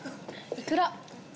いくら？